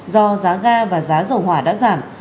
do giá ga và giá dầu hỏa đã giảm